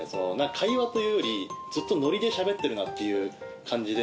会話というよりずっとノリで喋ってるなっていう感じで。